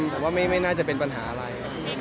ผมว่าไม่น่าจะเป็นปัญหาอะไร